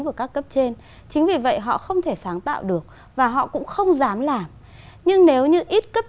của các cấp trên chính vì vậy họ không thể sáng tạo được và họ cũng không dám làm nhưng nếu như ít cấp